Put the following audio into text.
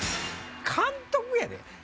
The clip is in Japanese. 監督やで？